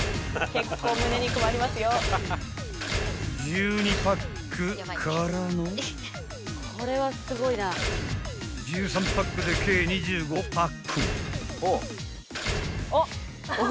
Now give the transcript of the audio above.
［１２パックからの１３パックで計２５パック］